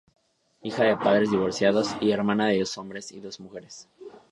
Hija de padres divorciados y hermana de dos hombres y dos mujeres.